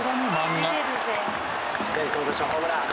先頭打者ホームラン。